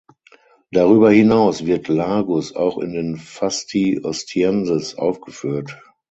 Darüber hinaus wird Largus auch in den Fasti Ostienses aufgeführt.